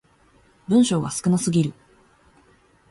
文章が少なすぎる